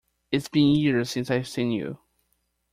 It's been years since I've seen you!